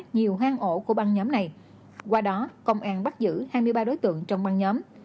nhiều hoang ổ của băng nhóm này qua đó công an bắt giữ hai mươi ba đối tượng trong băng nhóm